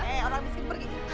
eh orang miskin pergi